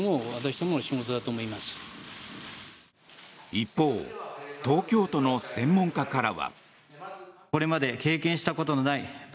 一方東京都の専門家からは。